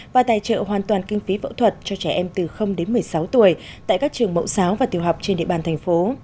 và tài trợ hoàn toàn kinh phí phẫu thuật cho trẻ em từ đến một mươi sáu tuổi tại các trường mẫu giáo và tiểu học trên địa bàn thành phố